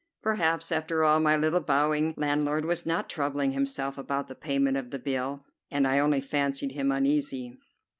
Perhaps, after all, my little bowing landlord was not troubling himself about the payment of the bill, and I only fancied him uneasy.